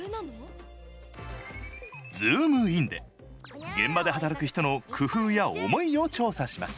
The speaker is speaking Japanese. ズームインで現場で働く人の工夫や思いを調査します。